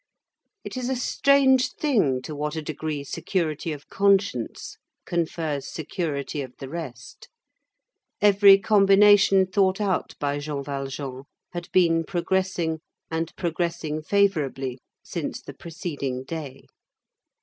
It is a strange thing to what a degree security of conscience confers security of the rest. Every combination thought out by Jean Valjean had been progressing, and progressing favorably, since the preceding day.